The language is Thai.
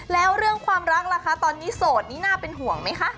แล้วเรื่องความรักล่ะคะตอนนี้โสดนี่น่าเป็นห่วงไหมคะ